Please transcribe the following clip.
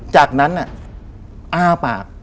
จากนั้นอ้าปาก